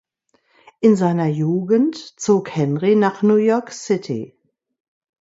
In seiner Jugend zog Henry nach New York City.